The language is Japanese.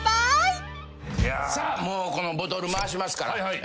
もうこのボトル回しますから。